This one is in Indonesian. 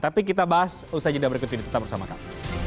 tapi kita bahas usai jeda berikut ini tetap bersama kami